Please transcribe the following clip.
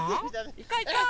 いこいこう！